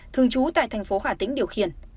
thường chú tại thành phố hà tĩnh điều khiển